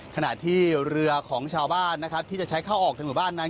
ขณะที่เรือของชาวบ้านนะครับที่จะใช้เข้าออกในหมู่บ้านนั้น